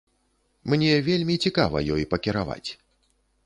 Мне вельмі цікава ёй пакіраваць.